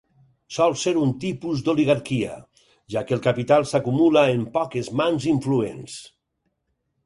Sol ser un tipus d'oligarquia, ja que el capital s'acumula en poques mans influents.